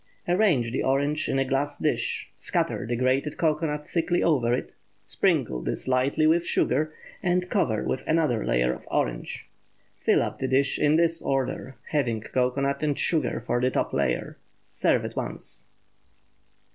Arrange the orange in a glass dish, scatter the grated cocoanut thickly over it, sprinkle this lightly with sugar, and cover with another layer of orange. Fill up the dish in this order, having cocoanut and sugar for the top layer. Serve at once.